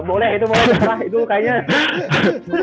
boleh itu boleh salah itu kayaknya